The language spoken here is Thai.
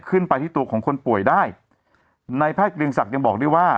ขึ้นไปที่ตัวของคนป่วยได้ในแพทย์เกรียงศักดิ์ยังบอกด้วยว่า